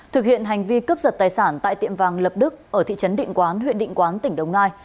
thực hiện hành vi cướp giật tài sản tại tiệm vàng lập đức ở thị trấn định quán huyện định quán tỉnh đồng nai